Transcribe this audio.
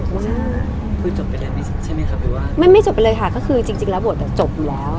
คือจบไปแล้วใช่ไหมค่ะไม่ไม่จบไปเลยค่ะก็คือจริงจริงแล้วบทจบอยู่แล้ว